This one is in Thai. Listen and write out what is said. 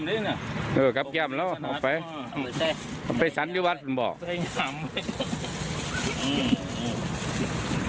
เออกับแก้มแล้วเอาไปเอาไปสั้นที่วัดบอก